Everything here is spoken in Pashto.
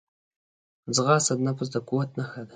ځغاسته د نفس د قوت نښه ده